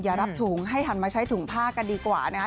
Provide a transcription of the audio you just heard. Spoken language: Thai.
รับถุงให้หันมาใช้ถุงผ้ากันดีกว่านะคะ